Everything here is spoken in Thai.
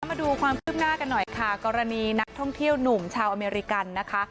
มาดูความคืบหน้ากันหน่อยค่ะกรณีนักท่องเที่ยวหนุ่มชาวอเมริกันนะคะ